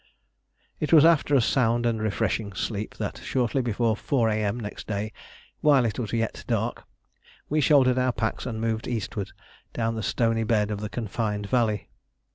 It was after a sound and refreshing sleep, that shortly before 4 A.M. next day, while it was yet dark, we shouldered our packs and moved eastwards down the stony bed of the confined valley.